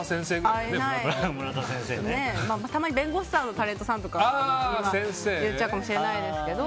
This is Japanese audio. たまに弁護士さんのタレントさんとかには言っちゃうかもしれないですけど。